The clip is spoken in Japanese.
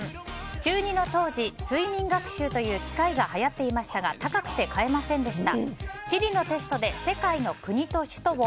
中２の当時睡眠学習という機械がはやっていましたが高くて買えませんでした。